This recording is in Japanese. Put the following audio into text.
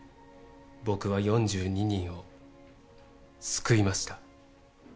僕は４２人を救いました。